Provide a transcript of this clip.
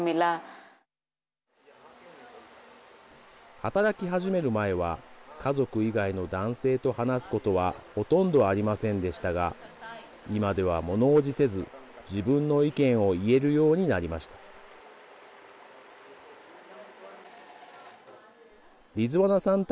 働き始める前は家族以外の男性と話すことはほとんどありませんでしたが今では、ものおじせず自分の意見を言えるようになりました。